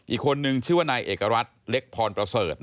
อีกคนนึงชื่อว่านายเอกรัฐเล็กพรประเสริฐ